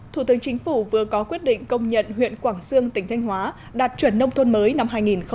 thủ tướng chính phủ vừa có quyết định công nhận huyện quảng sương tỉnh thanh hóa đạt chuẩn nông thôn mới năm hai nghìn một mươi tám